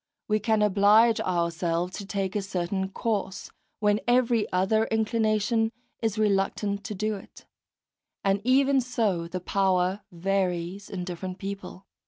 We can oblige ourselves to take a certain course, when every other inclination is reluctant to do it; and even so the power varies in different people.